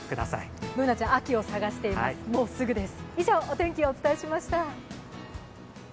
Ｂｏｏｎａちゃん、秋を探しています、もうすぐです。